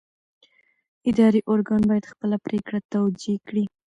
اداري ارګان باید خپله پرېکړه توجیه کړي.